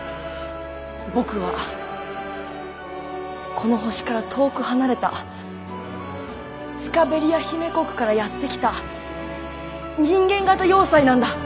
僕はこの星から遠く離れたスカベリア姫国からやって来た人間型要塞なんだ。